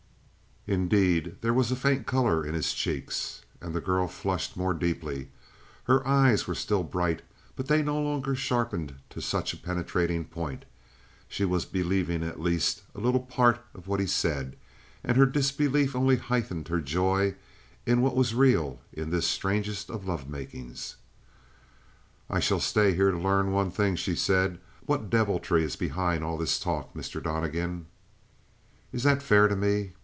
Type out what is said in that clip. Indeed, there was a faint color in his cheeks. And the girl flushed more deeply; her eyes were still bright, but they no longer sharpened to such a penetrating point. She was believing at least a little part of what he said, and her disbelief only heightened her joy in what was real in this strangest of lovemakings. "I shall stay here to learn one thing," she said. "What deviltry is behind all this talk, Mr. Donnegan?" "Is that fair to me?